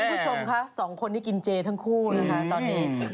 คุณผู้ชมคะสองคนที่กินเจทั้งคู่นะคะตอนนี้